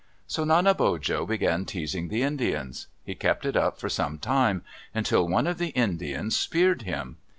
So Nanebojo began teasing the Indians. He kept it up for some time until one of the Indians speared him.